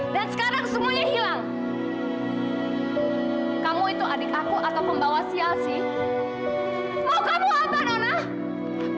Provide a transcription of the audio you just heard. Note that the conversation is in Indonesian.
mereka kata kepadaku katanya kan seseorang baik